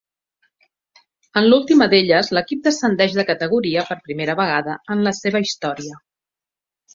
En l'última d'elles l'equip descendeix de categoria per primera vegada en la seva història.